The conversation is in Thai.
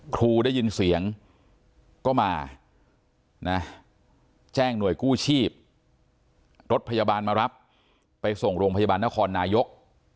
ครูได้ยินเสียงก็มานะแจ้งหน่วยกู้ชีพรถพยาบาลมารับไปส่งโรงพยาบาลนครนายก